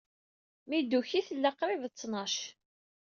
Mi d-nuki, tella qrib d ttnac.